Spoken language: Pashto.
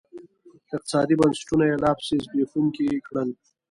اقتصادي بنسټونه یې لاپسې زبېښونکي کړل.